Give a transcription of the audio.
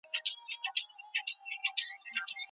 ایا لوی صادروونکي وچ انار صادروي؟